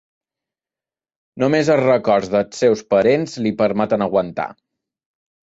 Només els records dels seus parents li permeten aguantar.